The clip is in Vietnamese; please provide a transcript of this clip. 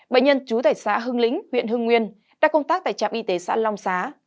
bệnh nhân trú tại xã hưng lĩnh huyện hưng nguyên đang công tác tại trạm y tế xã long xá